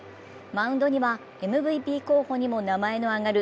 マウンドにはＭＶＰ候補にも名前の挙がる